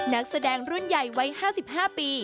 นักแสดงรุ่นใหญ่วัย๕๕ปี